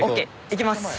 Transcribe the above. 行きます。